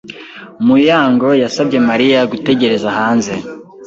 Muyango yasabye Mariya gutegereza hanze.